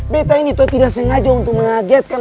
betta ini tuh tidak sengaja untuk mengagetkan